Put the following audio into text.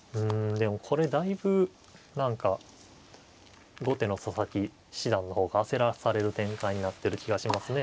でもこれだいぶ何か後手の佐々木七段の方が焦らされる展開になってる気がしますね。